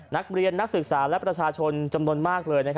นักเรียนนักศึกษาและประชาชนจำนวนมากเลย